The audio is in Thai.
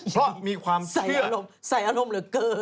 เพราะมีความใส่อารมณ์ใส่อารมณ์เหลือเกิน